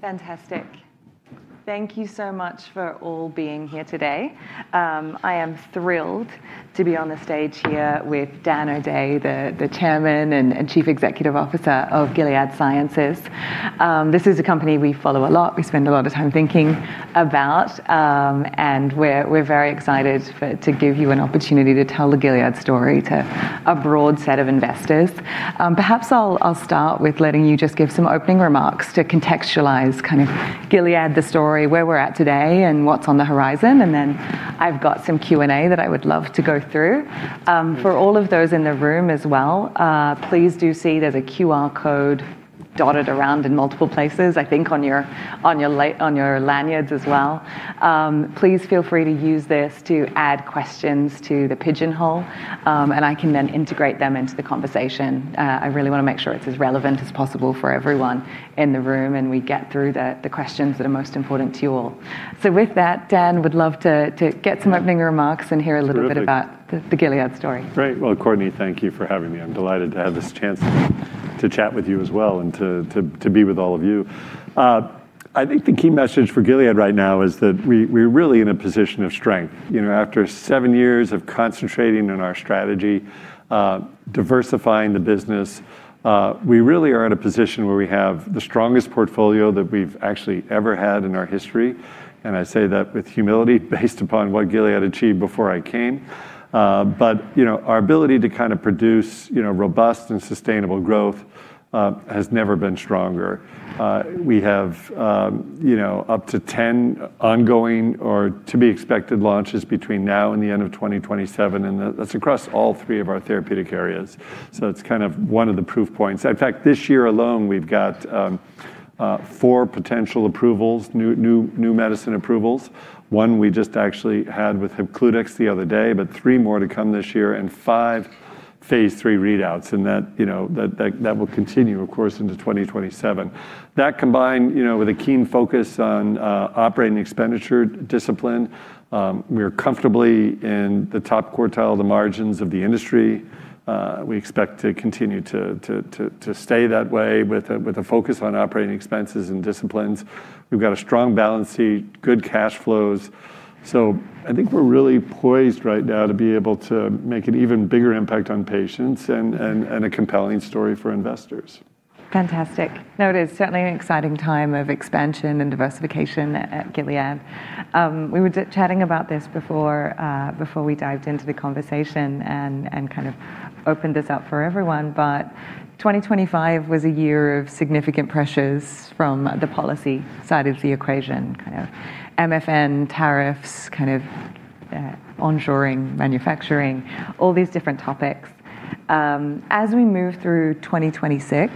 Fantastic. Thank you so much for all being here today. I am thrilled to be on the stage here with Daniel O'Day, the Chairman and Chief Executive Officer of Gilead Sciences. This is a company we follow a lot, we spend a lot of time thinking about, and we're very excited to give you an opportunity to tell the Gilead story to a broad set of investors. Perhaps I'll start with letting you just give some opening remarks to contextualize Gilead the story, where we're at today, and what's on the horizon. Then I've got some Q&A that I would love to go through. For all of those in the room as well, please do see there's a QR code dotted around in multiple places, I think on your lanyards as well. Please feel free to use this to add questions to the pigeonhole, and I can then integrate them into the conversation. I really want to make sure it's as relevant as possible for everyone in the room, and we get through the questions that are most important to you all. With that, Dan, would love to get some opening remarks and hear a little bit about. Terrific The Gilead story. Great. Well, Courtney, thank you for having me. I'm delighted to have this chance to chat with you as well and to be with all of you. I think the key message for Gilead right now is that we're really in a position of strength. After seven years of concentrating on our strategy, diversifying the business, we really are in a position where we have the strongest portfolio that we've actually ever had in our history, and I say that with humility based upon what Gilead achieved before I came. Our ability to produce robust and sustainable growth has never been stronger. We have up to 10 ongoing or to-be-expected launches between now and the end of 2027, and that's across all three of our therapeutic areas. It's one of the proof points. In fact, this year alone, we've got four potential approvals, new medicine approvals. One we just actually had with HEPCLUDEX the other day, but three more to come this year and five phase III readouts, and that will continue, of course, into 2027. That combined with a keen focus on operating expenditure discipline, we are comfortably in the top quartile of the margins of the industry. We expect to continue to stay that way with a focus on operating expenses and disciplines. We've got a strong balance sheet, good cash flows. I think we're really poised right now to be able to make an even bigger impact on patients and a compelling story for investors. Fantastic. No, it is certainly an exciting time of expansion and diversification at Gilead. We were chatting about this before we dived into the conversation and kind of opened this up for everyone, 2025 was a year of significant pressures from the policy side of the equation, kind of MFN tariffs, kind of onshoring, manufacturing, all these different topics. As we move through 2026,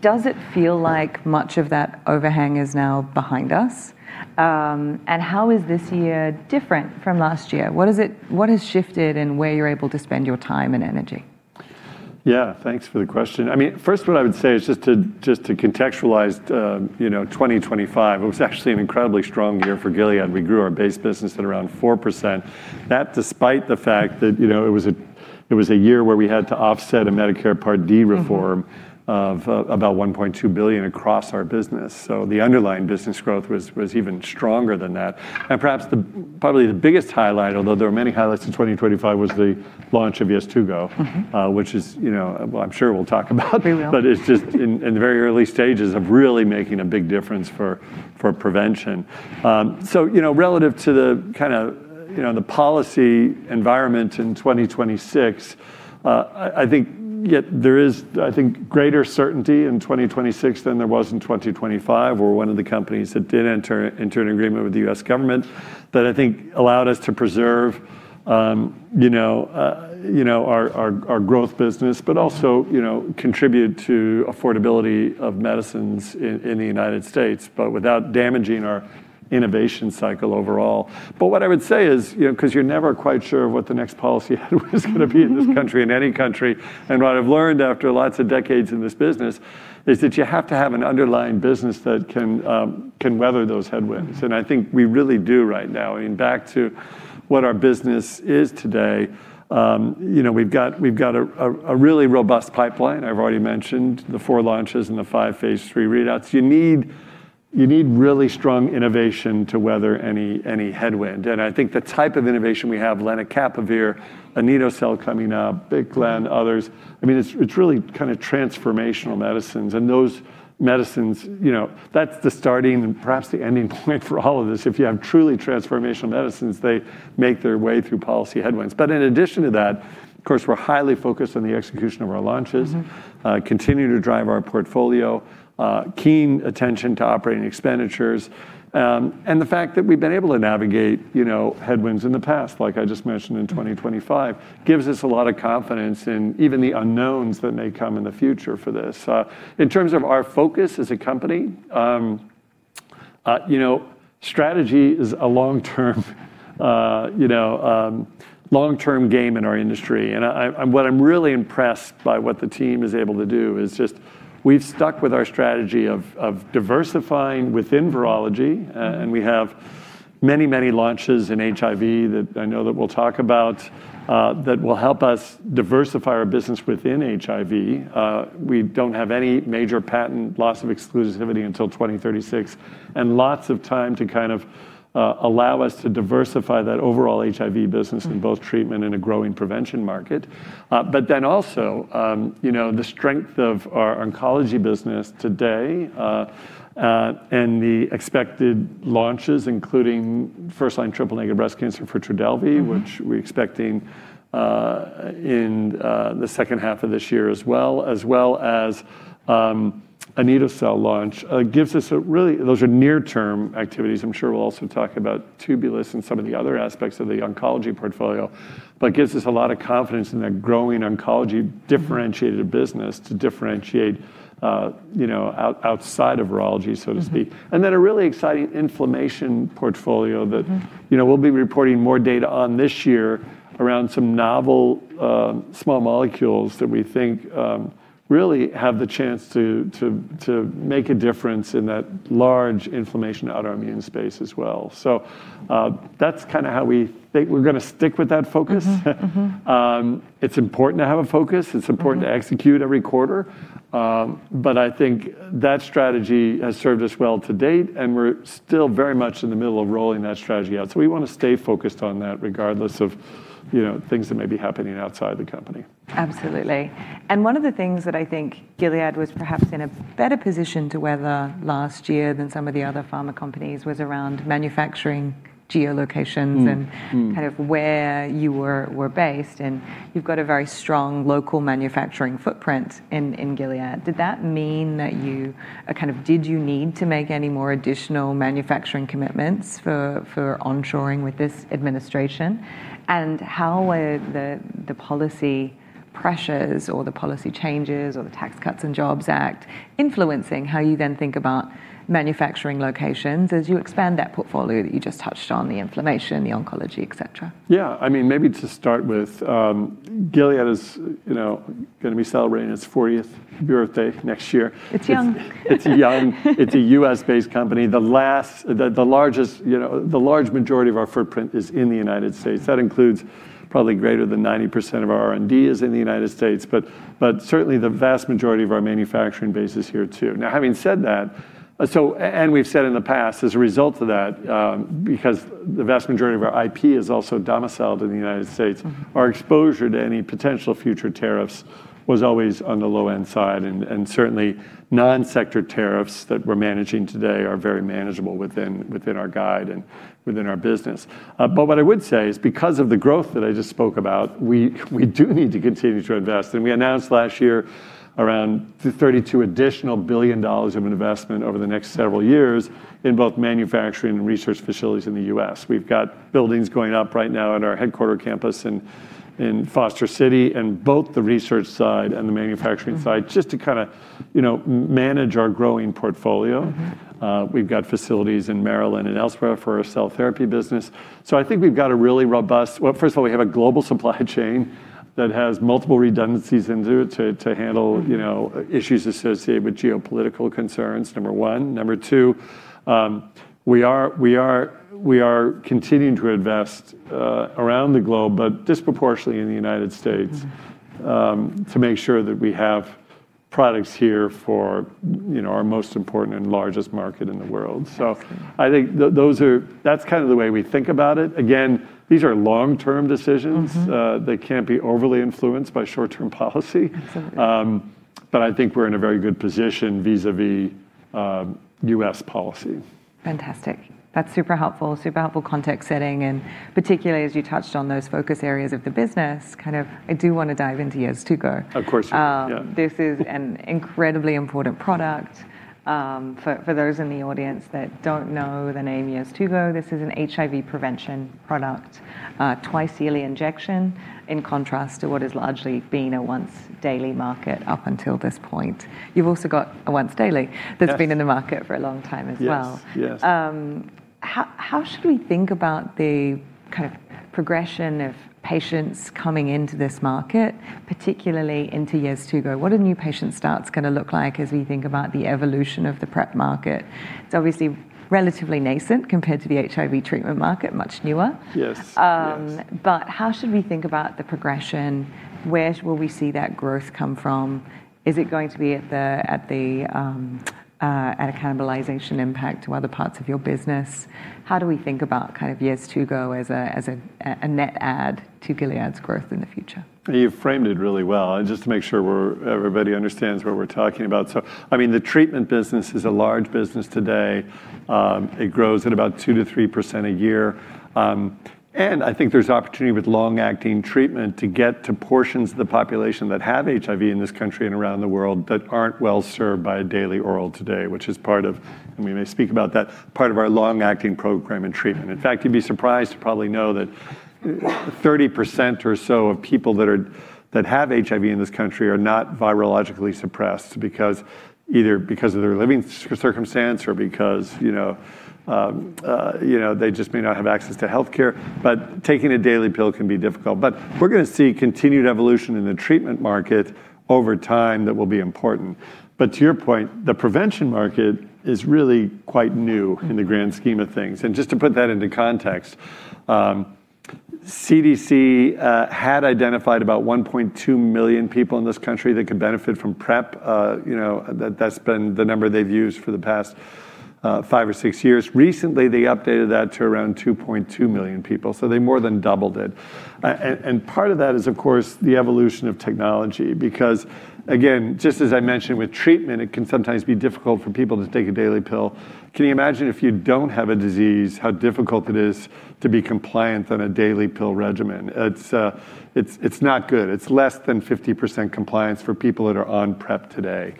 does it feel like much of that overhang is now behind us? How is this year different from last year? What has shifted in where you're able to spend your time and energy? Thanks for the question. First, what I would say is just to contextualize 2025, it was actually an incredibly strong year for Gilead. We grew our base business at around 4%. That despite the fact that it was a year where we had to offset a Medicare Part D reform. Of about $1.2 billion across our business. The underlying business growth was even stronger than that. Perhaps probably the biggest highlight, although there were many highlights in 2025, was the launch of YESCARTA. Which is, well, I'm sure we'll talk about. We will. It's just in the very early stages of really making a big difference for prevention. Relative to the policy environment in 2026, I think there is greater certainty in 2026 than there was in 2025, where one of the companies that did enter into an agreement with the U.S. government that I think allowed us to preserve our growth business, But also contribute to affordability of medicines in the United States, but without damaging our innovation cycle overall. What I would say is, because you're never quite sure what the next policy is going to be in this country. In any country, and what I've learned after lots of decades in this business is that you have to have an underlying business that can weather those headwinds, and I think we really do right now. Back to what our business is today, we've got a really robust pipeline. I've already mentioned the four launches and the five phase III readouts. You need really strong innovation to weather any headwind, and I think the type of innovation we have, lenacapavir, anito-cel coming up, Biclen, others, it's really kind of transformational medicines. Those medicines, that's the starting and perhaps the ending point for all of this. If you have truly transformational medicines, they make their way through policy headwinds. In addition to that, of course, we're highly focused on the execution of our launches. Continue to drive our portfolio, keen attention to operating expenditures. The fact that we've been able to navigate headwinds in the past, like I just mentioned in 2025, gives us a lot of confidence in even the unknowns that may come in the future for this. In terms of our focus as a company, strategy is a long-term game in our industry. What I'm really impressed by what the team is able to do is just we've stuck with our strategy of diversifying within virology. We have many launches in HIV that I know that we'll talk about, that will help us diversify our business within HIV. We don't have any major patent loss of exclusivity until 2036. Lots of time to allow us to diversify that overall HIV business in both treatment and a growing prevention market. Also, the strength of our oncology business today, and the expected launches, including first-line triple-negative breast cancer for TRODELVY. Which we're expecting in the second half of this year, as well as anito-cel launch. Those are near-term activities. I'm sure we'll also talk about Tubulis and some of the other aspects of the oncology portfolio, but gives us a lot of confidence in that growing oncology differentiated business to differentiate outside of virology, so to speak. A really exciting inflammation portfolio. That we'll be reporting more data on this year around some novel small molecules that we think really have the chance to make a difference in that large inflammation autoimmune space as well. That's how we think. We're going to stick with that focus. It's important to have a focus. It's important to execute every quarter. I think that strategy has served us well to date, and we're still very much in the middle of rolling that strategy out. We want to stay focused on that regardless of things that may be happening outside the company. Absolutely. One of the things that I think Gilead was perhaps in a better position to weather last year than some of the other pharma companies was around manufacturing geolocations, Where you were based, and you've got a very strong local manufacturing footprint in Gilead, did you need to make any more additional manufacturing commitments for onshoring with this administration? How were the policy pressures or the policy changes or the Tax Cuts and Jobs Act influencing how you then think about manufacturing locations as you expand that portfolio that you just touched on, the inflammation, the oncology, et cetera? Yeah. Maybe to start with, Gilead is going to be celebrating its 40th birthday next year. It's young. It's young. It's a U.S.-based company. The large majority of our footprint is in the United States. That includes probably greater than 90% of our R&D is in the United States. Certainly the vast majority of our manufacturing base is here, too. Now, having said that, and we've said in the past, as a result of that, because the vast majority of our IP is also domiciled in the United States. Our exposure to any potential future tariffs was always on the low-end side, and certainly non-sector tariffs that we're managing today are very manageable within our guide and within our business. What I would say is because of the growth that I just spoke about, we do need to continue to invest. We announced last year around $32 billion of investment over the next several years in both manufacturing and research facilities in the U.S. We've got buildings going up right now at our headquarters campus in Foster City, and both the research side and the manufacturing side, just to manage our growing portfolio. We've got facilities in Maryland and elsewhere for our cell therapy business. I think we've got a really robust. Well, first of all, we have a global supply chain that has multiple redundancies into it to handle issues associated with geopolitical concerns, number one. Number two, we are continuing to invest around the globe, but disproportionately in the U.S. To make sure that we have products here for our most important and largest market in the world. Excellent. I think that's the way we think about it. Again, these are long-term decisions. They can't be overly influenced by short-term policy. Absolutely. I think we're in a very good position vis-à-vis U.S. policy. Fantastic. That's super helpful. Super helpful context setting, particularly as you touched on those focus areas of the business, I do want to dive into YESCARTA. Of course. Yeah. This is an incredibly important product. For those in the audience that don't know the name YeztuGo, this is an HIV prevention product, a twice-yearly injection, in contrast to what has largely been a once-daily market up until this point. Yes That's been in the market for a long time as well. Yes. How should we think about the progression of patients coming into this market, particularly into YeztuGo? What are new patient stats going to look like as we think about the evolution of the PrEP market? It's obviously relatively nascent compared to the HIV treatment market, much newer. Yes. How should we think about the progression? Where will we see that growth come from? Is it going to be at a cannibalization impact to other parts of your business? How do we think about YeztuGo as a net add to Gilead's growth in the future? You've framed it really well, and just to make sure everybody understands what we're talking about. The treatment business is a large business today. It grows at about 2%-3% a year. I think there's opportunity with long-acting treatment to get to portions of the population that have HIV in this country and around the world that aren't well-served by a daily oral today, which is part of our long-acting program and treatment. In fact, you'd be surprised to probably know that 30% or so of people that have HIV in this country are not virologically suppressed, either because of their living circumstance or because they just may not have access to healthcare. Taking a daily pill can be difficult. We're going to see continued evolution in the treatment market over time that will be important. To your point, the prevention market is really quite new in the grand scheme of things. Just to put that into context, CDC had identified about 1.2 million people in this country that could benefit from PrEP. That's been the number they've used for the past five or six years. Recently, they updated that to around 2.2 million people, so they more than doubled it. Part of that is, of course, the evolution of technology, because, again, just as I mentioned with treatment, it can sometimes be difficult for people to take a daily pill. Can you imagine if you don't have a disease, how difficult it is to be compliant on a daily pill regimen? It's not good. It's less than 50% compliance for people that are on PrEP today.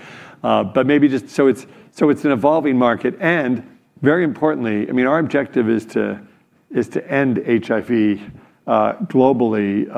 It's an evolving market, and very importantly, our objective is to end HIV globally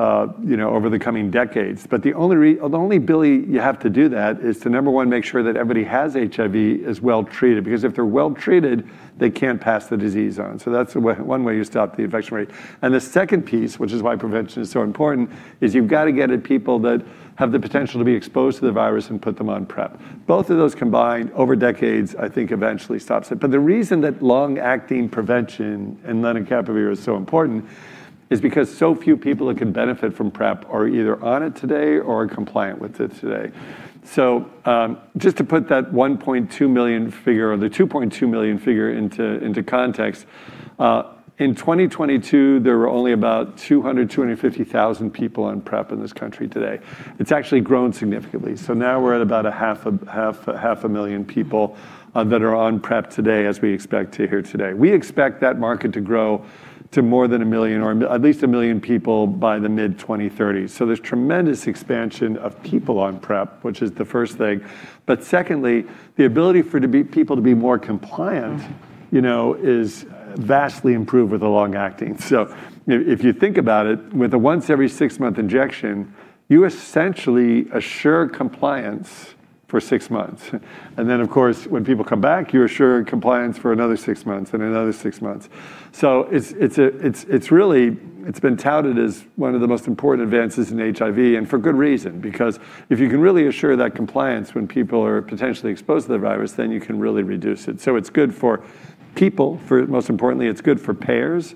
over the coming decades. The only bill you have to do that is to, number one, make sure that everybody has HIV is well treated, because if they're well treated, they can't pass the disease on. That's one way you stop the infection rate. The second piece, which is why prevention is so important, is you've got to get at people that have the potential to be exposed to the virus and put them on PrEP. Both of those combined over decades, I think, eventually stops it. The reason that long-acting prevention and lenacapavir is so important is because so few people that could benefit from PrEP are either on it today or are compliant with it today. Just to put that 1.2 million figure, or the 2.2 million figure into context, in 2022, there were only about 200,000, 250,000 people on PrEP in this country today. It's actually grown significantly. Now we're at about a half a million people that are on PrEP today, as we expect to hear today. We expect that market to grow to more than a million, or at least a million people by the mid 2030s. There's tremendous expansion of people on PrEP, which is the first thing. Secondly, the ability for people to be more compliant is vastly improved with the long acting. If you think about it, with a once every six-month injection, you essentially assure compliance for six months. Of course, when people come back, you assure compliance for another six months and another six months. It's been touted as one of the most important advances in HIV, and for good reason, because if you can really assure that compliance when people are potentially exposed to the virus, then you can really reduce it. It's good for people, most importantly, it's good for payers,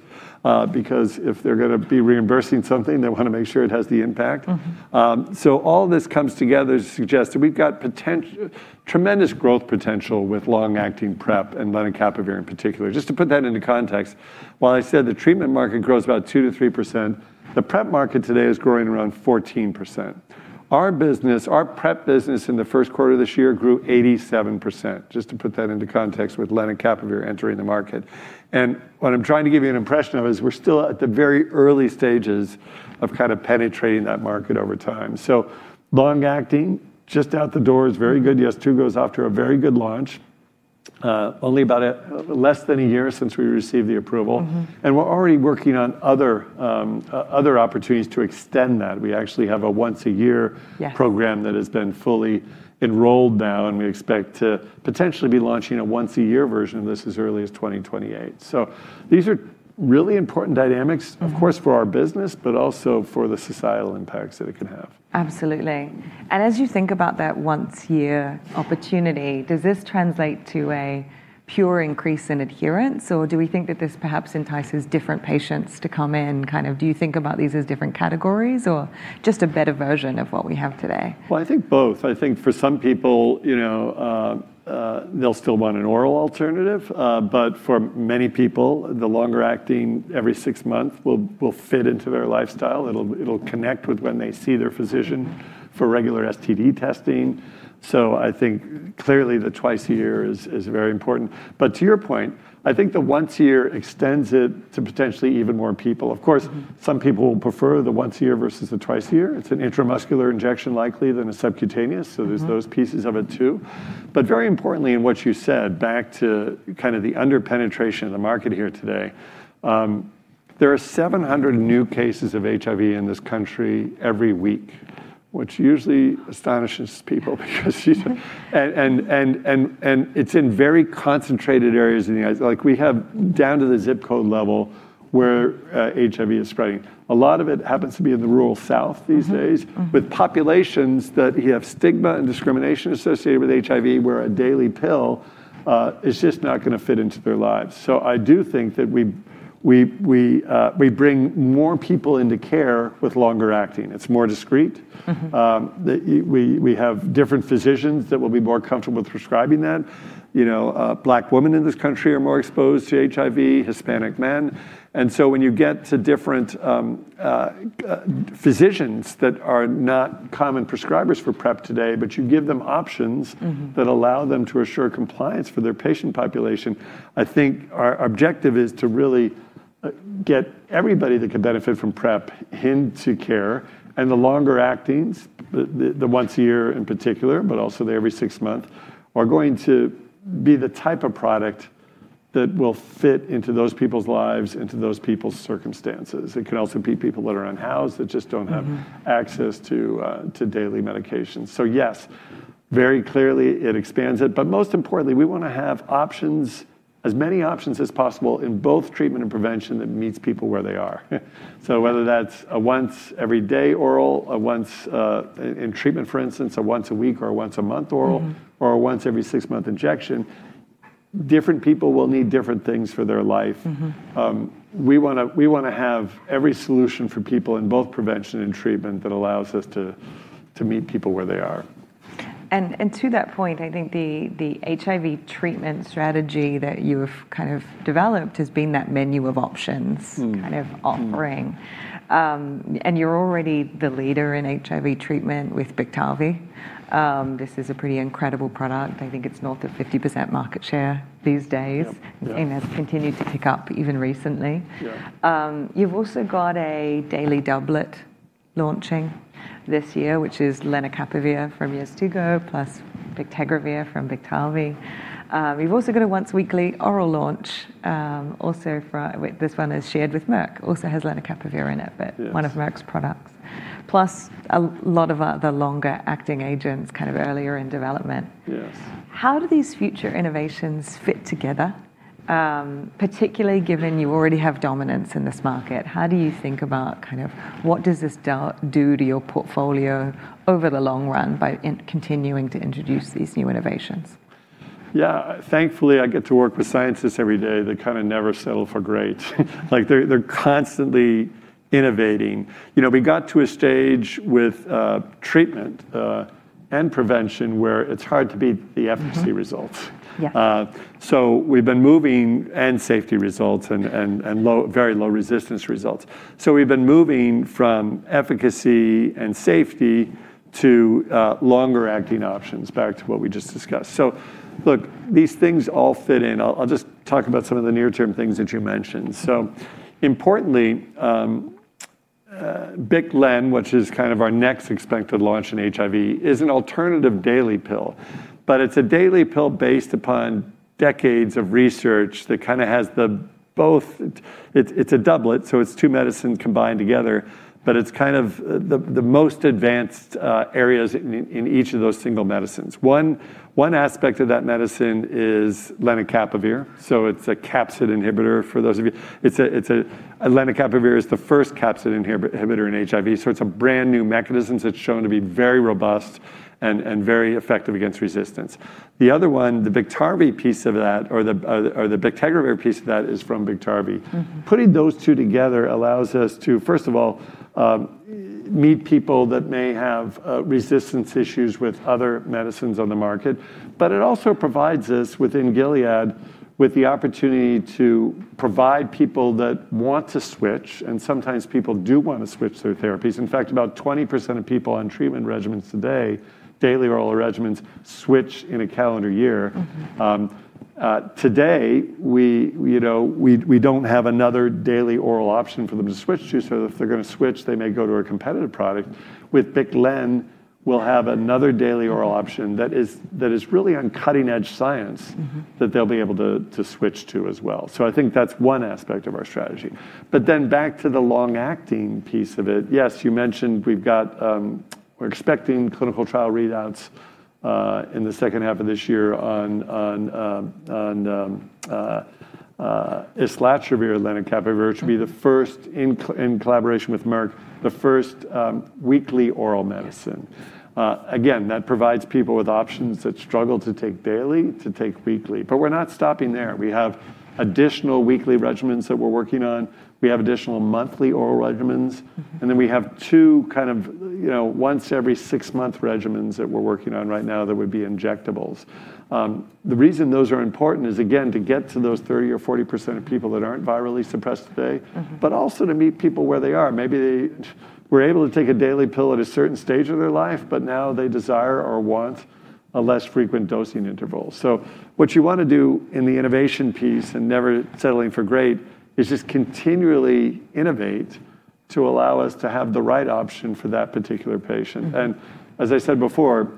because if they're going to be reimbursing something, they want to make sure it has the impact. All this comes together to suggest that we've got tremendous growth potential with long-acting PrEP and lenacapavir in particular. Just to put that into context, while I said the treatment market grows about 2%-3%, the PrEP market today is growing around 14%. Our PrEP business in the Q1 of this year grew 87%, just to put that into context with lenacapavir entering the market. What I'm trying to give you an impression of is we're still at the very early stages of penetrating that market over time. Long acting, just out the door, is very good. YESCARTA goes off to a very good launch, only about less than a year since we received the approval. We're already working on other opportunities to extend that. We actually have a once a year. Yeah. Program that has been fully enrolled now, and we expect to potentially be launching a once a year version of this as early as 2028. These are really important dynamics. Of course, for our business, but also for the societal impacts that it can have. Absolutely. As you think about that once a year opportunity, does this translate to a pure increase in adherence, or do we think that this perhaps entices different patients to come in? Do you think about these as different categories or just a better version of what we have today? Well, I think both. I think for some people, they'll still want an oral alternative. For many people, the longer acting every six months will fit into their lifestyle. It'll connect with when they see their physician for regular STD testing. I think clearly the twice a year is very important. To your point, I think the once a year extends it to potentially even more people. Of course, some people will prefer the once a year versus the twice a year. It's an intramuscular injection likely than a subcutaneous. Those pieces of it too. Very importantly in what you said, back to the under-penetration of the market here today, there are 700 new cases of HIV in this country every week, which usually astonishes people because usually. It's in very concentrated areas in the U.S. We have down to the zip code level where HIV is spreading. A lot of it happens to be in the rural South these days. With populations that you have stigma and discrimination associated with HIV, where a daily pill is just not going to fit into their lives. I do think that we bring more people into care with longer acting. It's more discreet. We have different physicians that will be more comfortable with prescribing that. Black women in this country are more exposed to HIV, Hispanic men, and so when you get to different physicians that are not common prescribers for PrEP today, but you give them options. That allow them to assure compliance for their patient population. I think our objective is to really get everybody that could benefit from PrEP into care, and the longer actings, the once a year in particular, but also the every six month, are going to be the type of product that will fit into those people's lives, into those people's circumstances. It could also be people that are unhoused that just don't have Access to daily medications. Yes, very clearly it expands it. But most importantly, we want to have as many options as possible in both treatment and prevention that meets people where they are. Whether that's a once every day oral, in treatment, for instance, a once a week or a once a month oral. A once every six month injection. Different people will need different things for their life. We want to have every solution for people in both prevention and treatment that allows us to meet people where they are. To that point, I think the HIV treatment strategy that you have kind of developed has been that menu of options. Kind of offering. You're already the leader in HIV treatment with BIKTARVY. This is a pretty incredible product. I think it's north of 50% market share these days. Yep. Yeah. Has continued to pick up even recently. Yeah. You've also got a daily doublet launching this year, which is lenacapavir from Biclen plus bictegravir from Biktarvy. You've also got a once-weekly oral launch, this one is shared with Merck, also has lenacapavir in it. Yes. One of Merck's products. Plus a lot of other longer-acting agents kind of earlier in development. Yes. How do these future innovations fit together? Particularly given you already have dominance in this market, how do you think about what does this do to your portfolio over the long run by continuing to introduce these new innovations? Yeah. Thankfully, I get to work with scientists every day that kind of never settle for great. They're constantly innovating. We got to a stage with treatment and prevention where it's hard to beat the efficacy results. Yeah. We've been moving and safety results and very low resistance results. We've been moving from efficacy and safety to longer-acting options, back to what we just discussed. Look, these things all fit in. I'll just talk about some of the near-term things that you mentioned. Importantly, Biclen, which is kind of our next expected launch in HIV, is an alternative daily pill. It's a daily pill based upon decades of research that kind of has the both, It's a doublet, so it's two medicines combined together, but it's kind of the most advanced areas in each of those single medicines. One aspect of that medicine is lenacapavir, it's a capsid inhibitor. Lenacapavir is the first capsid inhibitor in HIV, so it's a brand-new mechanism that's shown to be very robust and very effective against resistance. The other one, the bictegravir piece of that is from BIKTARVY. Putting those two together allows us to, first of all, meet people that may have resistance issues with other medicines on the market, but it also provides us, within Gilead, with the opportunity to provide people that want to switch, and sometimes people do want to switch their therapies. In fact, about 20% of people on treatment regimens today, daily oral regimens, switch in a calendar year. Today, we don't have another daily oral option for them to switch to, so if they're going to switch, they may go to a competitive product. With Biclen, we'll have another daily oral option that is really on cutting-edge science. That they'll be able to switch to as well. I think that's one aspect of our strategy. Back to the long-acting piece of it, yes, you mentioned we're expecting clinical trial readouts in the second half of this year on islatravir/lenacapavir, which will be the first, in collaboration with Merck, the first weekly oral medicine. Yeah. That provides people with options that struggle to take daily, to take weekly. We're not stopping there, we have additional weekly regimens that we're working on. We have additional monthly oral regimens. We have two kind of once every six-month regimens that we're working on right now that would be injectables. The reason those are important is, again, to get to those 30% or 40% of people that aren't virally suppressed today. Also to meet people where they are. Maybe they were able to take a daily pill at a certain stage of their life, but now they desire or want a less frequent dosing interval. What you want to do in the innovation piece and never settling for great is just continually innovate to allow us to have the right option for that particular patient. As I said before,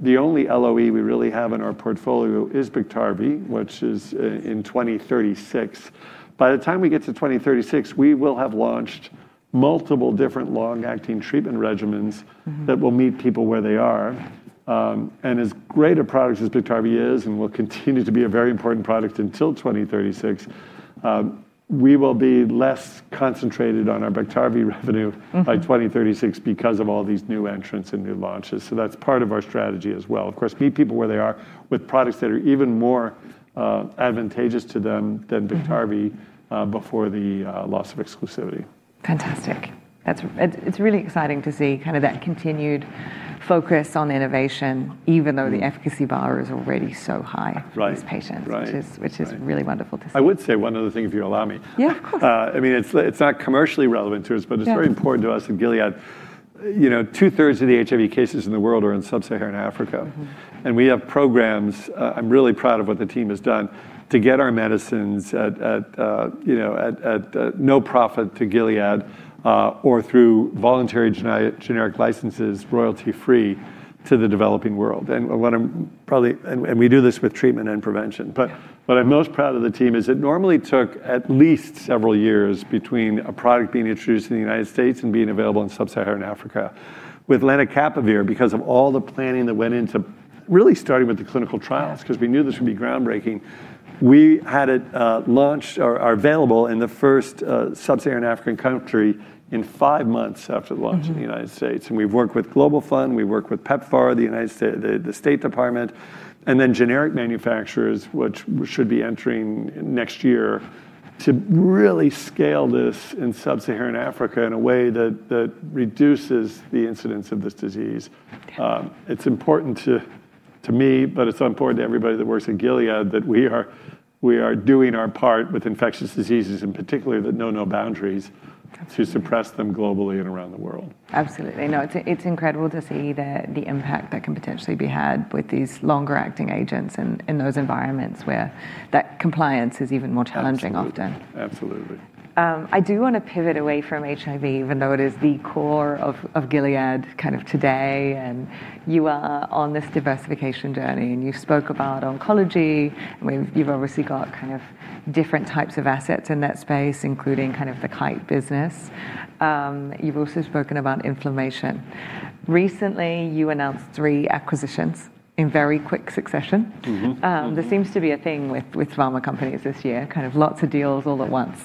the only LOE we really have in our portfolio is Biktarvy, which is in 2036. By the time we get to 2036, we will have launched multiple different long-acting treatment regimens. That will meet people where they are. As great a product as Biktarvy is, and will continue to be a very important product until 2036, we will be less concentrated on our Biktarvy revenue. By 2036 because of all these new entrants and new launches. That's part of our strategy as well. Of course, meet people where they are with products that are even more advantageous to them than BIKTARVY. Before the loss of exclusivity. Fantastic. It's really exciting to see kind of that continued focus on innovation, even though the efficacy bar is already so high. Right For these patients. Right. Which is really wonderful to see. I would say one other thing, if you allow me. Yeah, of course. It's not commercially relevant to us. Yeah. It's very important to us at Gilead. Two thirds of the HIV cases in the world are in sub-Saharan Africa. We have programs, I'm really proud of what the team has done to get our medicines at no profit to Gilead, or through voluntary generic licenses, royalty-free, to the developing world. We do this with treatment and prevention. What I'm most proud of the team is it normally took at least several years between a product being introduced in the United States and being available in sub-Saharan Africa. With lenacapavir, because of all the planning that went into really starting with the clinical trials, Yeah. Because we knew this would be groundbreaking, we had it launched or available in the first sub-Saharan African country in five months after launch in the U.S. We've worked with Global Fund, we worked with PEPFAR, the State Department, and then generic manufacturers, which should be entering next year, to really scale this in sub-Saharan Africa in a way that reduces the incidence of this disease. Fantastic. It's important to me, but it's important to everybody that works at Gilead, that we are doing our part with infectious diseases, and particularly the Know No Boundaries. Okay. To suppress them globally and around the world. Absolutely. No, it's incredible to see the impact that can potentially be had with these longer acting agents in those environments where that compliance is even more challenging often. Absolutely. I do want to pivot away from HIV, even though it is the core of Gilead today, and you are on this diversification journey, and you've spoke about oncology. You've obviously got different types of assets in that space, including the Kite business. You've also spoken about inflammation. Recently, you announced three acquisitions in very quick succession. This seems to be a thing with pharma companies this year, lots of deals all at once.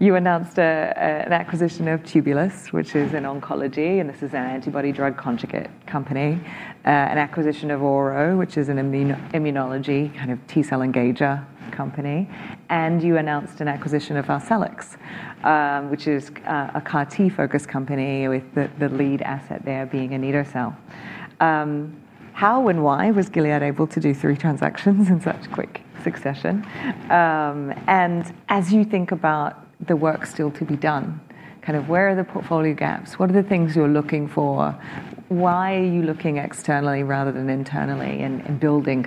You announced an acquisition of Tubulis, which is in oncology, and this is an antibody-drug conjugate company, an acquisition of Ouro Medicines, which is an immunology T-cell engager company. You announced an acquisition of Arcellx, which is a CAR T focused company with the lead asset there being an anito-cel. How and why was Gilead able to do three transactions in such quick succession? As you think about the work still to be done, where are the portfolio gaps? What are the things you're looking for? Why are you looking externally rather than internally and building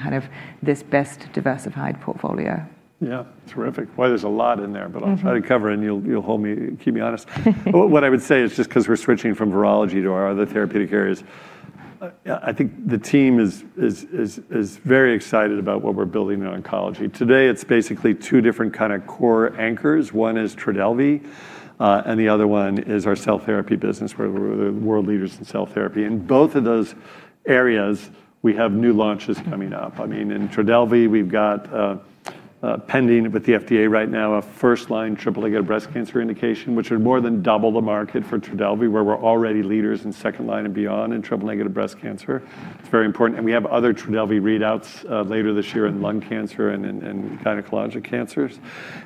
this best diversified portfolio? Yeah, terrific. There's a lot in there, I'll try to cover and you'll keep me honest. What I would say is just because we're switching from virology to our other therapeutic areas, I think the team is very excited about what we're building in oncology. Today it's basically two different kind of core anchors. One is TRODELVY, the other one is our cell therapy business, where we're the world leaders in cell therapy. In both of those areas, we have new launches coming up. In TRODELVY, we've got pending with the FDA right now, a first line triple-negative breast cancer indication, which would more than double the market for TRODELVY, where we're already leaders in second line and beyond in triple-negative breast cancer. It's very important, we have other TRODELVY readouts later this year in lung cancer and in gynecologic cancers.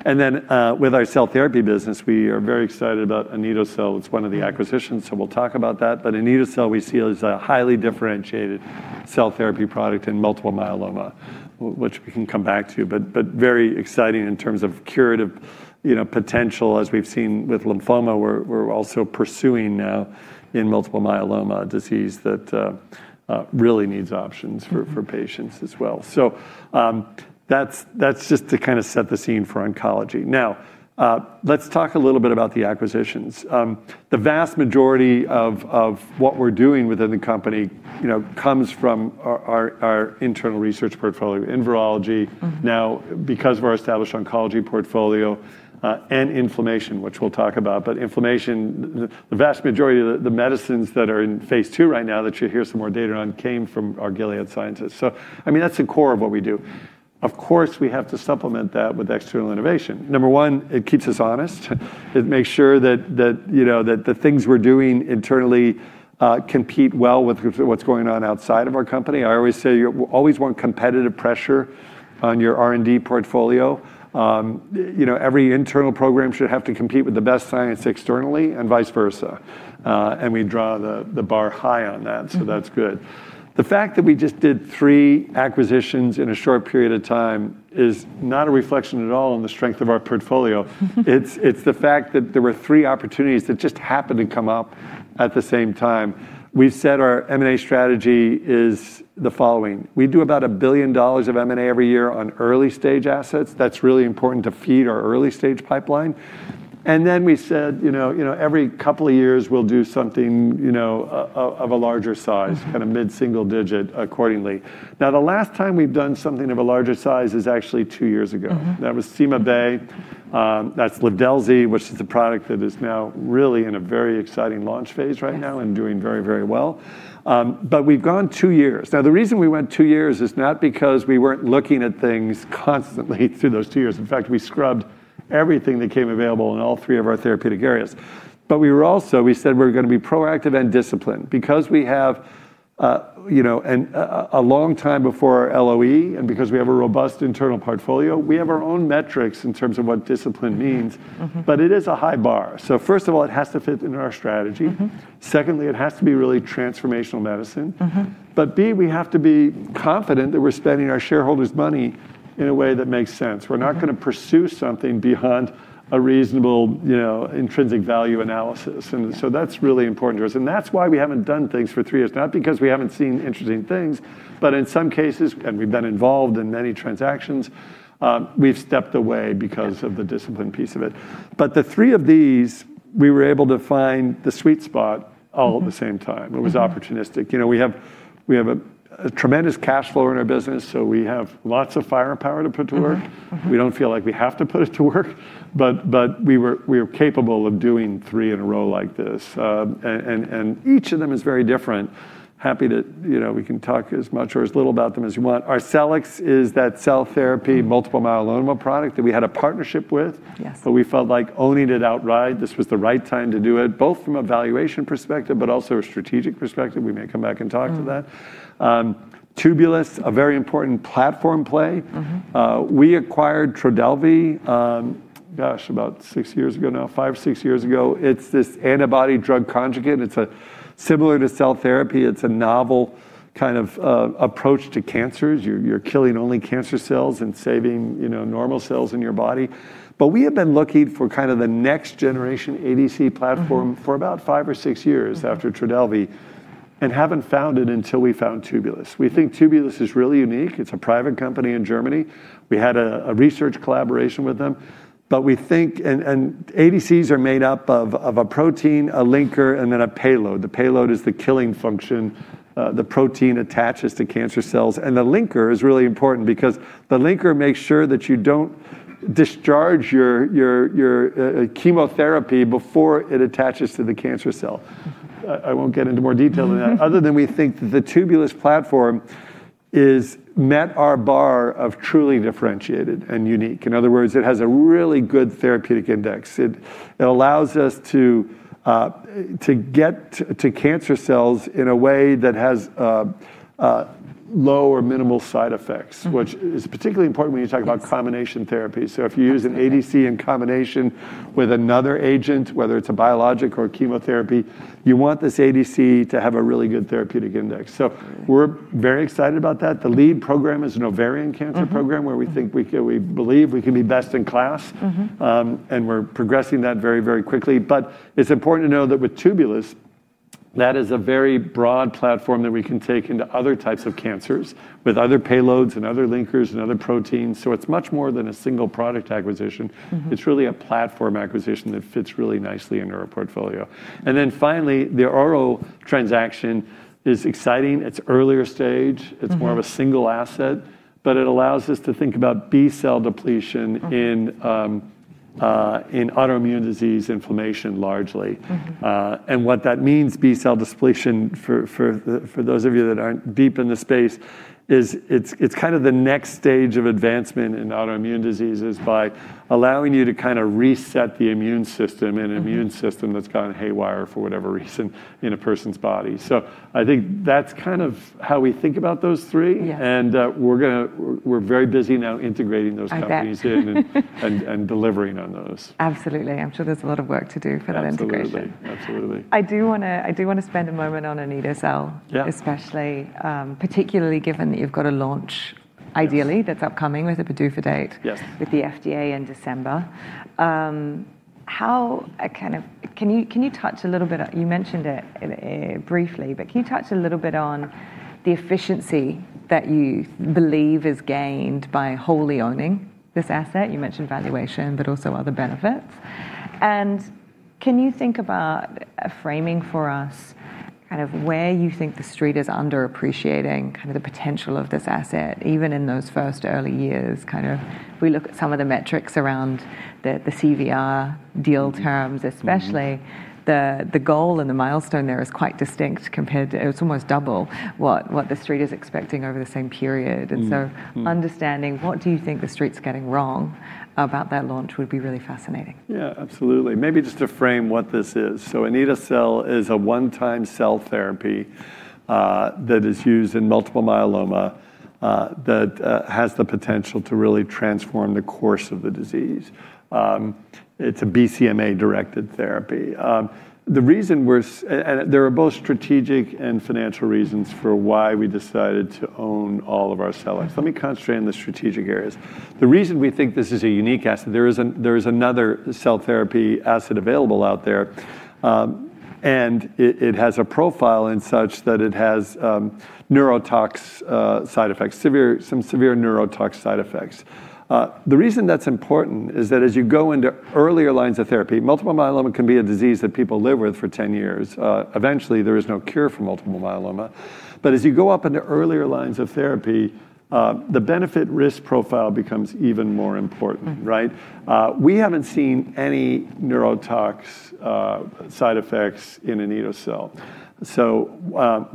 With our cell therapy business, we are very excited about anito-cel. It's one of the acquisitions, so we'll talk about that. Anito-cel we see as a highly differentiated cell therapy product in multiple myeloma, which we can come back to. Very exciting in terms of curative potential as we've seen with lymphoma, we're also pursuing now in multiple myeloma disease that really needs options for patients as well. That's just to kind of set the scene for oncology. Now, let's talk a little bit about the acquisitions. The vast majority of what we're doing within the company comes from our internal research portfolio in virology now because of our established oncology portfolio, and inflammation, which we'll talk about. Inflammation, the vast majority of the medicines that are in phase II right now that you'll hear some more data on came from our Gilead scientists. Of course, we have to supplement that with external innovation. Number one, it keeps us honest. It makes sure that the things we're doing internally compete well with what's going on outside of our company. I always say you always want competitive pressure on your R&D portfolio. Every internal program should have to compete with the best science externally and vice versa. We draw the bar high on that, so that's good. The fact that we just did three acquisitions in a short period of time is not a reflection at all on the strength of our portfolio. It's the fact that there were three opportunities that just happened to come up at the same time. We've said our M&A strategy is the following: We do about $1 billion of M&A every year on early-stage assets. That's really important to feed our early-stage pipeline. Then we said every couple of years we'll do something of a larger size, kind of mid-single digit accordingly. The last time we've done something of a larger size is actually two years ago. That was CymaBay. That's Livdelzi, which is a product that is now really in a very exciting launch phase right now and doing very well. We've gone two years. Now, the reason we went two years is not because we weren't looking at things constantly through those two years. In fact, we scrubbed everything that came available in all three of our therapeutic areas. We said we're going to be proactive and disciplined because we have a long time before our LOE, and because we have a robust internal portfolio, we have our own metrics in terms of what discipline means. It is a high bar. First of all, it has to fit into our strategy. Secondly, it has to be really transformational medicine. B-cell, we have to be confident that we're spending our shareholders' money in a way that makes sense. We're not going to pursue something beyond a reasonable intrinsic value analysis, That's really important to us. That's why we haven't done things for three years, not because we haven't seen interesting things, but in some cases, and we've been involved in many transactions, We've stepped away because of the discipline piece of it. The three of these, we were able to find the sweet spot all at the same time. It was opportunistic. We have a tremendous cash flow in our business, so we have lots of firepower to put to work. We don't feel like we have to put it to work, but we are capable of doing three in a row like this. Each of them is very different. We can talk as much or as little about them as you want. Arcellx is that cell therapy multiple myeloma product that we had a partnership with. Yes. We felt like owning it outright, this was the right time to do it, both from a valuation perspective, but also a strategic perspective. We may come back and talk to that. Tubulis, a very important platform play. We acquired TRODELVY, gosh, about six years ago now, five or six years ago. It's this antibody-drug conjugate. It's similar to cell therapy. It's a novel kind of approach to cancers. You're killing only cancer cells and saving normal cells in your body. We have been looking for the next generation ADC platform for about five or six years after TRODELVY, and haven't found it until we found Tubulis. We think Tubulis is really unique. It's a private company in Germany. We had a research collaboration with them. We think ADCs are made up of a protein, a linker, and then a payload. The payload is the killing function. The protein attaches to cancer cells. The linker is really important because the linker makes sure that you don't discharge your chemotherapy before it attaches to the cancer cell. I won't get into more detail than that, other than we think that the Tubulis platform has met our bar of truly differentiated and unique. In other words, it has a really good therapeutic index. It allows us to get to cancer cells in a way that has low or minimal side effects, which is particularly important when you talk about combination therapy. If you use an ADC in combination with another agent, whether it's a biologic or a chemotherapy, you want this ADC to have a really good therapeutic index. We're very excited about that. The lead program is an ovarian cancer program where we believe we can be best in class. We're progressing that very quickly. It's important to know that with Tubulis, that is a very broad platform that we can take into other types of cancers with other payloads and other linkers and other proteins. It's much more than a single product acquisition. It's really a platform acquisition that fits really nicely into our portfolio. Finally, the Ouro transaction is exciting. It's earlier stage. It's more of a single asset, but it allows us to think about B-cell depletion. In autoimmune disease inflammation, largely. What that means, B-cell depletion, for those of you that aren't deep in the space, is it's kind of the next stage of advancement in autoimmune diseases by allowing you to kind of reset the immune system, an immune system that's gone haywire for whatever reason in a person's body. I think that's kind of how we think about those three. Yeah. We're very busy now integrating those companies in. I bet. Delivering on those. Absolutely. I'm sure there's a lot of work to do for that integration. Absolutely. I do want to spend a moment on anito-cel. Yeah. Especially, particularly given that you've got a launch ideally that's upcoming with a PDUFA date. Yes. With the FDA in December. Can you touch a little bit, you mentioned it briefly, but can you touch a little bit on the efficiency that you believe is gained by wholly owning this asset? You mentioned valuation, but also other benefits. Can you think about framing for us kind of where you think the Street is underappreciating kind of the potential of this asset, even in those first early years kind of? If we look at some of the metrics around the CVR deal terms, especially the goal and the milestone there is quite distinct compared to, it's almost double what the Street is expecting over the same period. Understanding what do you think the Street's getting wrong about that launch would be really fascinating. Yeah, absolutely. Maybe just to frame what this is. anito-cel is a one-time cell therapy that is used in multiple myeloma, that has the potential to really transform the course of the disease. It's a BCMA-directed therapy. There are both strategic and financial reasons for why we decided to own all of Arcellx. Let me concentrate on the strategic areas. The reason we think this is a unique asset, there is another cell therapy asset available out there, it has a profile in such that it has neurotoxicity side effects, some severe neurotoxicity side effects. The reason that's important is that as you go into earlier lines of therapy, multiple myeloma can be a disease that people live with for 10 years. Eventually, there is no cure for multiple myeloma. As you go up into earlier lines of therapy, the benefit-risk profile becomes even more important, right? We haven't seen any neurotoxicity side effects in anito-cel.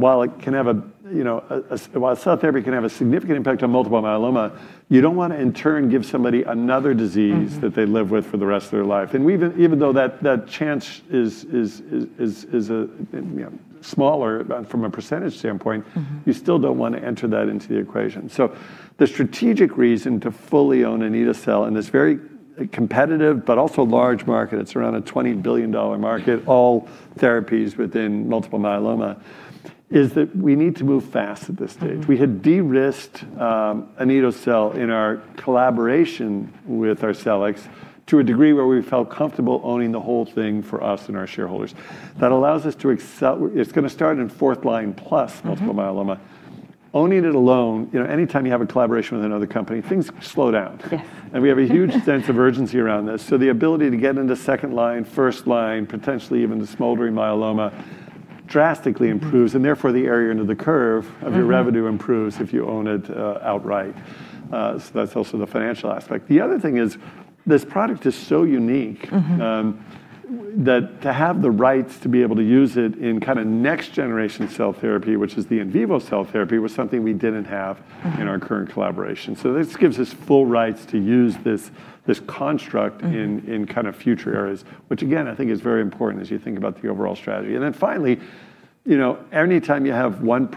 While cell therapy can have a significant impact on multiple myeloma, you don't want to, in turn, give somebody another disease. That they live with for the rest of their life. Even though that chance is smaller from a percentage standpoint. You still don't want to enter that into the equation. The strategic reason to fully own anito-cel in this very competitive but also large market, it's around a $20 billion market, all therapies within multiple myeloma, is that we need to move fast at this stage. We had de-risked anito-cel in our collaboration with Arcellx to a degree where we felt comfortable owning the whole thing for us and our shareholders. That allows us to accel. It's going to start in fourth line plus multiple myeloma. Owning it alone, anytime you have a collaboration with another company, things slow down. Yes. We have a huge sense of urgency around this, the ability to get into second line, first line, potentially even the smoldering myeloma drastically improves, therefore the area under the curve of your revenue improves if you own it outright. That's also the financial aspect. The other thing is, this product is so unique. That to have the rights to be able to use it in kind of next generation cell therapy, which is the in vivo cell therapy, was something we didn't have. In our current collaboration. This gives us full rights to use this construct in kind of future areas, which again, I think is very important as you think about the overall strategy. Finally, anytime you have one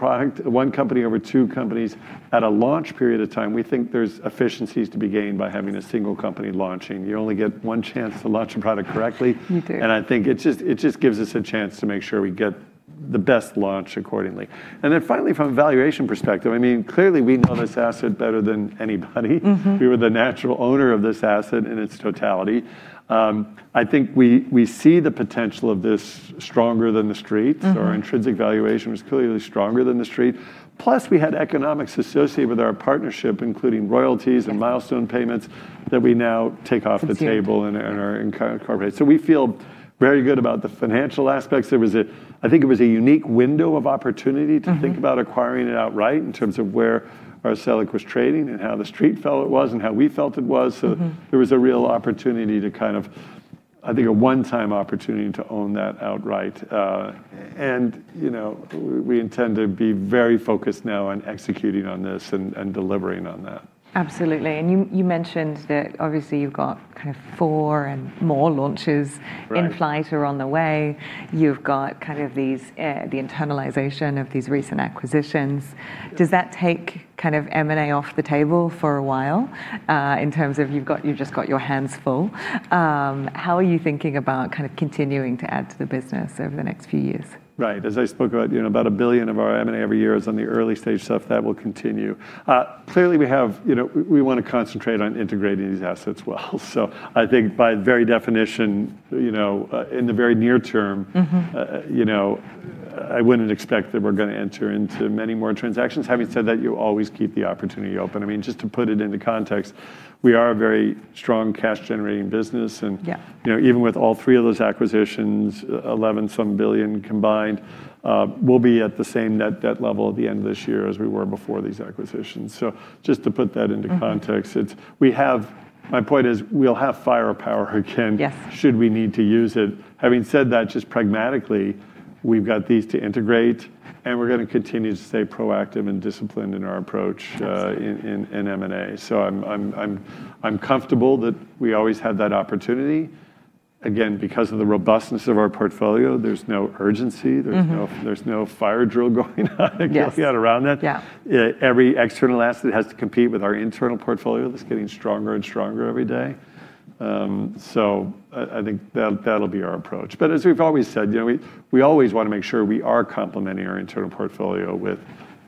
company over two companies at a launch period of time, we think there's efficiencies to be gained by having a single company launching. You only get one chance to launch a product correctly. You do. I think it just gives us a chance to make sure we get the best launch accordingly. Finally, from a valuation perspective, clearly we know this asset better than anybody. We were the natural owner of this asset in its totality. I think we see the potential of this stronger than the Street. Our intrinsic valuation was clearly stronger than the Street. Plus, we had economics associated with our partnership, including royalties and milestone payments that we now take off the table. Are incorporated. We feel very good about the financial aspects. I think it was a unique window of opportunity. To think about acquiring it outright in terms of where Arcellx was trading and how the Street felt it was and how we felt it was. There was a real opportunity to, I think, a one-time opportunity to own that outright. We intend to be very focused now on executing on this and delivering on that. Absolutely. You mentioned that obviously you've got four and more launches. Right. In flight or on the way. You've got the internalization of these recent acquisitions. Does that take M&A off the table for a while, in terms of you've just got your hands full? How are you thinking about continuing to add to the business over the next few years? Right. As I spoke about $1 billion of our M&A every year is on the early-stage stuff. That will continue. Clearly, we want to concentrate on integrating these assets well. I think by the very definition, in the very near term. I wouldn't expect that we're going to enter into many more transactions. Having said that, you always keep the opportunity open. Just to put it into context, we are a very strong cash-generating business. Yeah. Even with all three of those acquisitions, $11-some billion combined, we'll be at the same net debt level at the end of this year as we were before these acquisitions. Just to put that into context. My point is, we'll have firepower again. Yes. Should we need to use it. Having said that, just pragmatically, we've got these to integrate, and we're going to continue to stay proactive and disciplined in our approach. Absolutely. In M&A. I'm comfortable that we always have that opportunity. Again, because of the robustness of our portfolio. There's no fire drill going on at Gilead around that. Yes. Yeah. Every external asset has to compete with our internal portfolio that's getting stronger and stronger every day. I think that'll be our approach. As we've always said, we always want to make sure we are complementing our internal portfolio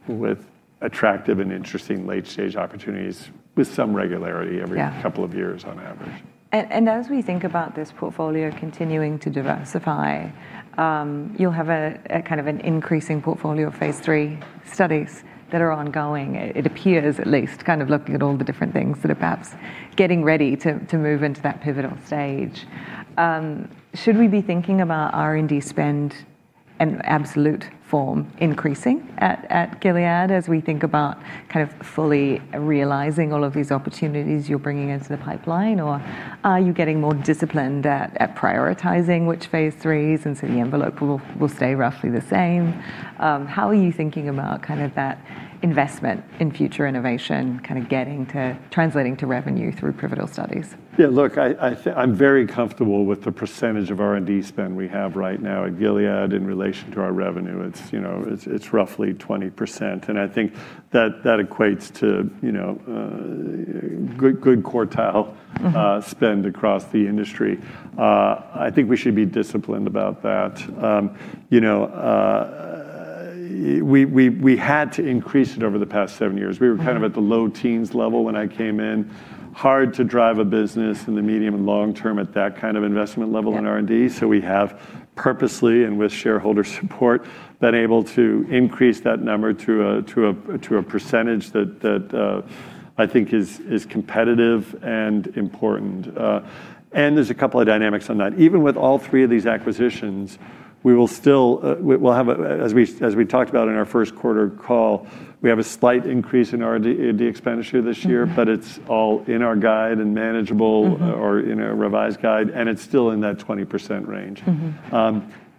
with attractive and interesting late-stage opportunities with some regularity every, Yeah. Couple of years on average. As we think about this portfolio continuing to diversify, you'll have an increasing portfolio of phase III studies that are ongoing. It appears at least, looking at all the different things that are perhaps getting ready to move into that pivotal stage. Should we be thinking about R&D spend in absolute form increasing at Gilead as we think about fully realizing all of these opportunities you're bringing into the pipeline? Are you getting more disciplined at prioritizing which phase III's, and so the envelope will stay roughly the same? How are you thinking about that investment in future innovation, getting to translating to revenue through pivotal studies? Yeah, look, I'm very comfortable with the percentage of R&D spend we have right now at Gilead in relation to our revenue. It's roughly 20%. I think that equates to good quartile spend across the industry. I think we should be disciplined about that. We had to increase it over the past seven years. We were at the low teens level when I came in. Hard to drive a business in the medium and long term at that kind of investment level in R&D. Yeah. We have purposely, and with shareholder support, been able to increase that number to a percentage that I think is competitive and important. There's a couple of dynamics on that. Even with all three of these acquisitions, as we talked about in our Q1 call, we have a slight increase in R&D expenditure this year. It's all in our guide and manageable. In our revised guide, and it's still in that 20% range.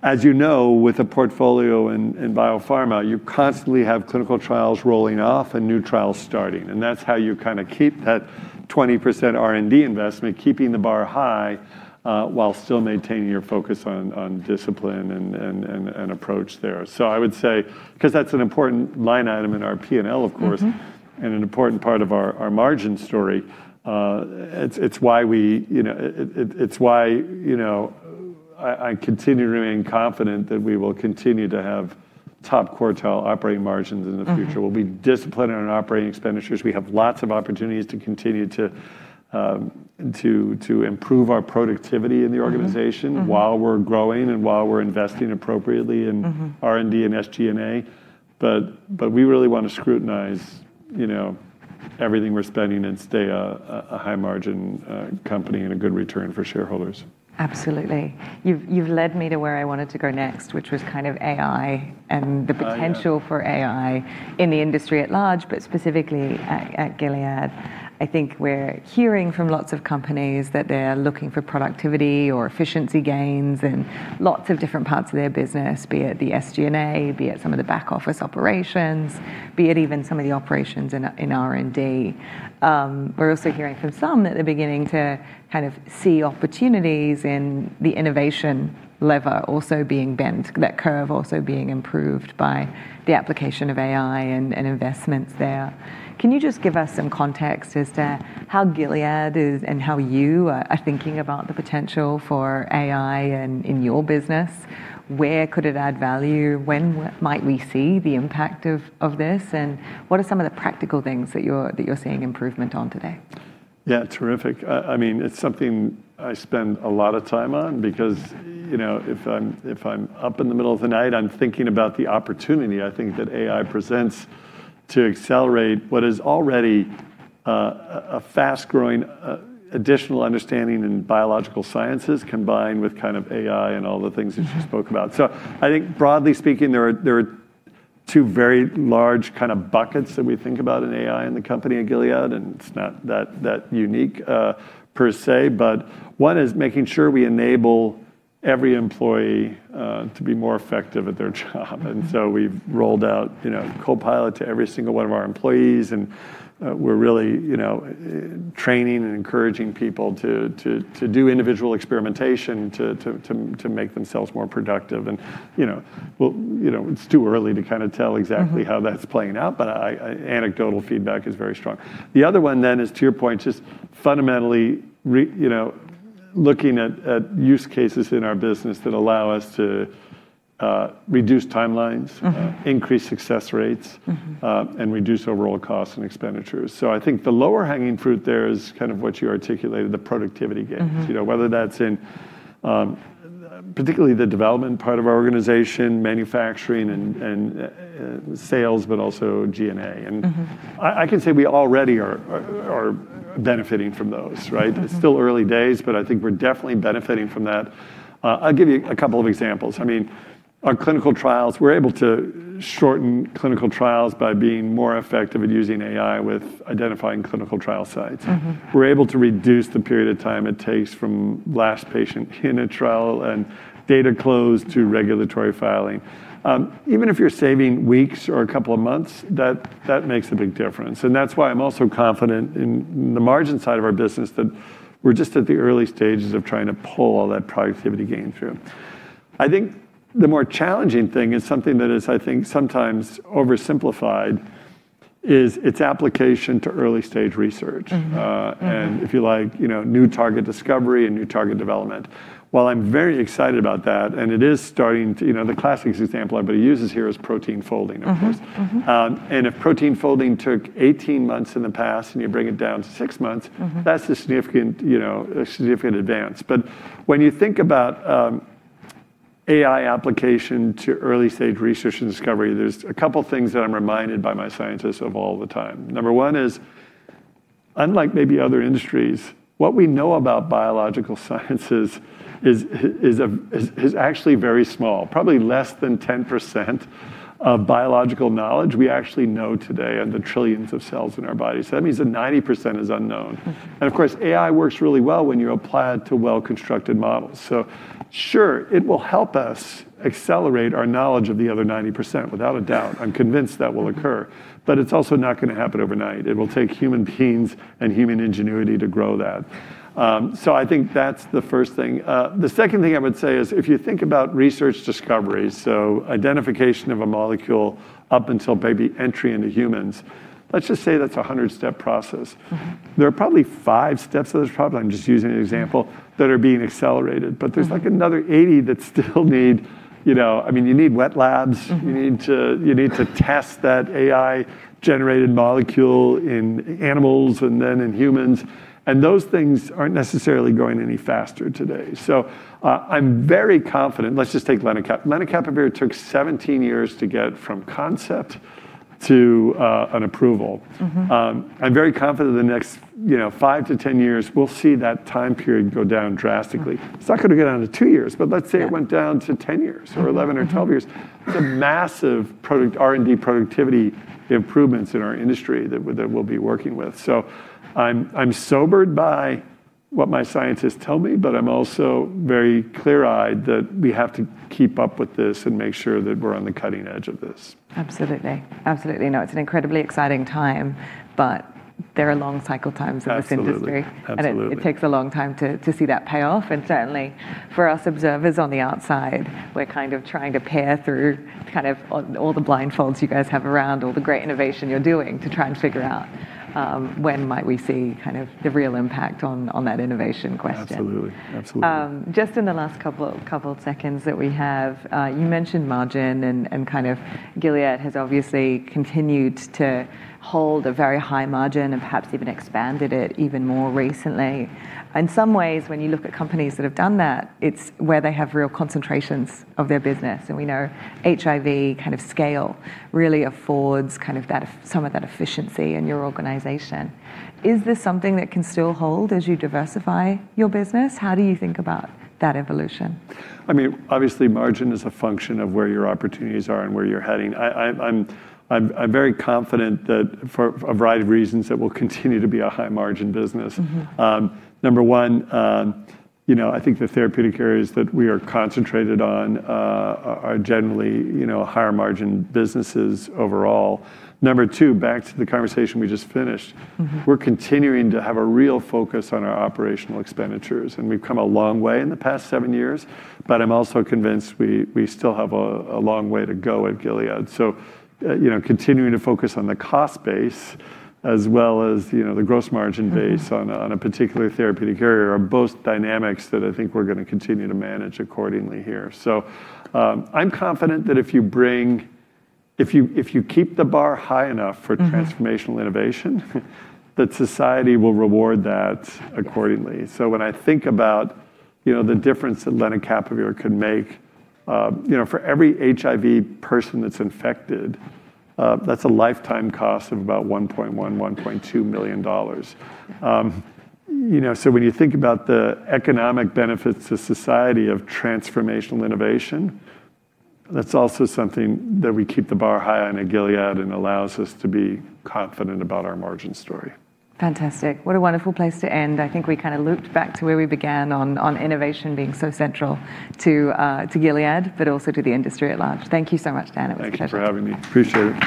As you know, with a portfolio in biopharma, you constantly have clinical trials rolling off and new trials starting, and that's how you keep that 20% R&D investment, keeping the bar high, while still maintaining your focus on discipline and approach there. I would say, because that's an important line item in our P&L, of course. An important part of our margin story. It's why I continue to remain confident that we will continue to have top quartile operating margins in the future. We'll be disciplined on our operating expenditures. We have lots of opportunities to continue to improve our productivity in the organization. While we're growing and while we're investing appropriately in. R&D and SG&A. We really want to scrutinize everything we're spending and stay a high margin company and a good return for shareholders. Absolutely. You've led me to where I wanted to go next, which was AI. Oh, yeah. For AI in the industry at large, but specifically at Gilead. I think we're hearing from lots of companies that they're looking for productivity or efficiency gains in lots of different parts of their business, be it the SG&A, be it some of the back-office operations, be it even some of the operations in R&D. We're also hearing from some that they're beginning to kind of see opportunities in the innovation lever also being bent, that curve also being improved by the application of AI and investments there. Can you just give us some context as to how Gilead is, and how you are thinking about the potential for AI in your business? Where could it add value? When might we see the impact of this? What are some of the practical things that you're seeing improvement on today? Yeah. Terrific. It's something I spend a lot of time on because if I'm up in the middle of the night, I'm thinking about the opportunity I think that AI presents to accelerate what is already a fast-growing additional understanding in biological sciences combined with kind of AI and all the things that you spoke about. I think broadly speaking, there are two very large kind of buckets that we think about in AI in the company at Gilead. It's not that unique per se, but one is making sure we enable every employee to be more effective at their job. We've rolled out Copilot to every single one of our employees. We're really training and encouraging people to do individual experimentation to make themselves more productive. It's too early to kind of tell exactly how that's playing out, but anecdotal feedback is very strong. The other one then is to your point, just fundamentally looking at use cases in our business that allow us to reduce timelines. Increase success rates Reduce overall costs and expenditures. I think the lower-hanging fruit there is kind of what you articulated, the productivity gains. Whether that's in particularly the development part of our organization, manufacturing, and sales, but also G&A. I can say we already are benefiting from those, right? It's still early days. I think we're definitely benefiting from that. I'll give you a couple of examples. Our clinical trials, we're able to shorten clinical trials by being more effective at using AI with identifying clinical trial sites. We're able to reduce the period of time it takes from last patient in a trial and data closed to regulatory filing. Even if you're saving weeks or a couple of months, that makes a big difference, and that's why I'm also confident in the margin side of our business that we're just at the early stages of trying to pull all that productivity gain through. I think the more challenging thing is something that is, I think, sometimes oversimplified, is its application to early-stage research. If you like, new target discovery and new target development. While I'm very excited about that, The classic example everybody uses here is protein folding, of course. If protein folding took 18 months in the past and you bring it down to six months. That's a significant advance. When you think about AI application to early-stage research and discovery, there's a couple of things that I'm reminded by my scientists of all the time. Number one is, unlike maybe other industries, what we know about biological sciences is actually very small. Probably less than 10% of biological knowledge we actually know today in the trillions of cells in our body. That means that 90% is unknown. Of course, AI works really well when you apply it to well-constructed models. Sure, it will help us accelerate our knowledge of the other 90%. Without a doubt, I'm convinced that will occur. It's also not going to happen overnight. It will take human beings and human ingenuity to grow that. I think that's the first thing. The second thing I would say is if you think about research discovery, so identification of a molecule up until maybe entry into humans. Let's just say that's a 100-step process. There are probably five steps of this problem, I'm just using an example, that are being accelerated. There's like another 80 that still need You need wet labs. You need to test that AI-generated molecule in animals and then in humans, those things aren't necessarily going any faster today. I'm very confident. Let's just take lenacapavir. Lenacapavir took 17 years to get from concept to an approval. I'm very confident in the next 5-10 years we'll see that time period go down drastically. It's not going to go down to two years, let's say it went down to 10 years or 11 or 12 years. The massive R&D productivity improvements in our industry that we'll be working with. I'm sobered by what my scientists tell me, but I'm also very clear-eyed that we have to keep up with this and make sure that we're on the cutting edge of this. Absolutely. No, it's an incredibly exciting time, but there are long cycle times in this industry. Absolutely. It takes a long time to see that pay off. Certainly for us observers on the outside, we're kind of trying to peer through kind of all the blindfolds you guys have around all the great innovation you're doing to try and figure out when might we see kind of the real impact on that innovation question. Absolutely. Just in the last couple seconds that we have, you mentioned margin and kind of Gilead has obviously continued to hold a very high margin and perhaps even expanded it even more recently. In some ways, when you look at companies that have done that, It's where they have real concentrations of their business, and we know HIV kind of scale really affords some of that efficiency in your organization. Is this something that can still hold as you diversify your business? How do you think about that evolution? Obviously margin is a function of where your opportunities are and where you're heading. I'm very confident that for a variety of reasons, it will continue to be a high-margin business. Number one, I think the therapeutic areas that we are concentrated on are generally higher margin businesses overall. Number two, back to the conversation we just finished. We're continuing to have a real focus on our operational expenditures, and we've come a long way in the past seven years. I'm also convinced we still have a long way to go at Gilead. Continuing to focus on the cost base as well as the gross margin base. On a particular therapeutic area are both dynamics that I think we're going to continue to manage accordingly here. I'm confident that if you keep the bar high enough for transformational innovation. that society will reward that accordingly. When I think about the difference that lenacapavir can make, for every HIV person that's infected, that's a lifetime cost of about $1.1, $1.2 million. When you think about the economic benefits to society of transformational innovation, that's also something that we keep the bar high on at Gilead and allows us to be confident about our margin story. Fantastic. What a wonderful place to end. I think we kind of looped back to where we began on innovation being so central to Gilead, but also to the industry at large. Thank you so much, Dan. It was a pleasure. Thank you for having me. Appreciate it.